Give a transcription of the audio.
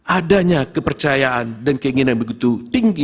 adanya kepercayaan dan keinginan yang begitu tinggi